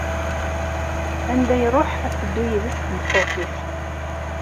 Anda iruḥ ad teddu yid-s tmeṭṭut-is.